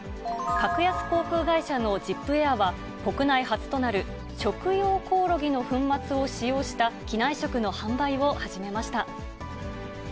格安航空会社のＺＩＰＡＩＲは、国内初となる食用コオロギの粉末を使用した機内食の販売を始めました。